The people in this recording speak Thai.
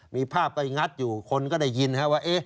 มีภาพก็งัดอยู่คนก็ได้ยินว่า